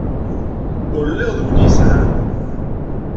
Ur lliɣ d win yesεan.